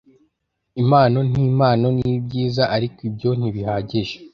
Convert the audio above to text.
Impano nimpano nibyiza ariko ibyo ntibihagije